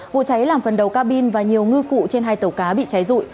vụ cháy làm phần đầu cabin và nhiều ngư cụ trên hai tàu cá bị cháy rụi